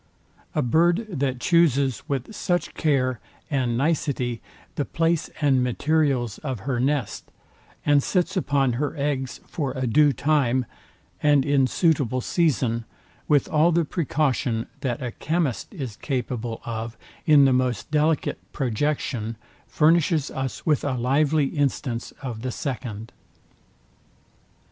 A bird, that chooses with such care and nicety the place and materials of her nest, and sits upon her eggs for a due time, and in suitable season, with all the precaution that a chymist is capable of in the most delicate projection, furnishes us with a lively instance of the second.